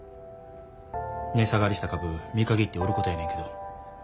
値下がりした株見限って売ることやねんけど。